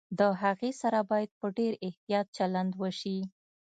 د هغې سره باید په ډېر احتياط چلند وشي